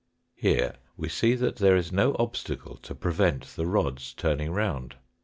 Here we see that there is no obstacle to prevent the rods turning round.